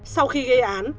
sau khi gây án